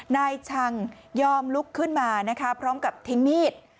นายชังยอมลุกขึ้นมานะคะพร้อมกับทิ้งมีด